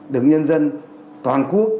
đứng nhân dân toàn quốc